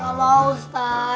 gak mau ustad